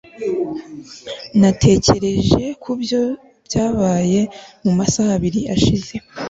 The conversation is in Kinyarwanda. natekereje kubyo byabaye mu masaha abiri ashize